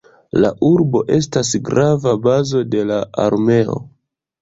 La urbo estas grava bazo de la armeo.